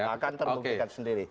akan terbukti sendiri